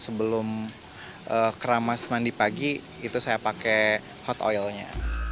sebelum keramas mandi pagi itu saya pakai hot oilnya